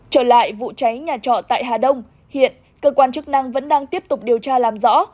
trở lại vụ cháy nhà trọ tại hà đông hiện cơ quan chức năng vẫn đang tiếp tục điều tra làm rõ